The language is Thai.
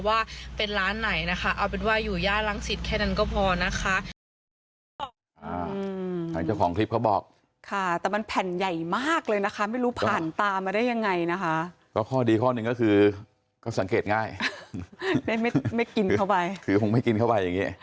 ว่าเป็นร้านไหนนะคะเอาเป็นว่าอยู่ย่านรังสิตแค่นั้นก็พอนะคะ